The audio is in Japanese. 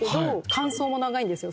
間奏も長いんですよ。